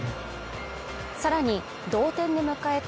さらに同点で迎えた